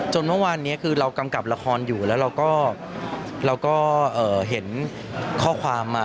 เมื่อวานนี้คือเรากำกับละครอยู่แล้วเราก็เห็นข้อความมา